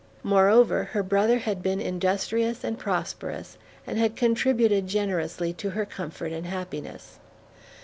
Moreover, her brother had been industrious and prosperous, and had contributed generously to her comfort and happiness.